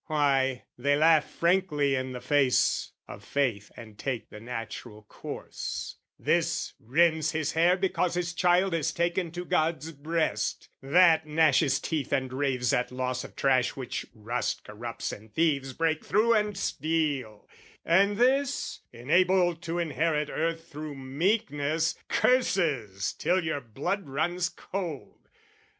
Why, they laugh frankly in the face of faith And take the natural course, this rends his hair Because his child is taken to God's breast, That gnashes teeth and raves at loss of trash Which rust corrupts and thieves break through and steal, And this, enabled to inherit earth Through meekness, curses till your blood runs cold!